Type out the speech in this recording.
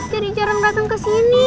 jadi jarang dateng kesini